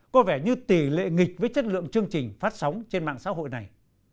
có vẻ như tỷ lệ nghịch với chất lượng chương trình phát sóng trên mạng xã hội này